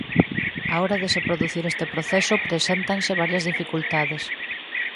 Á hora de se producir este proceso preséntanse varias dificultades.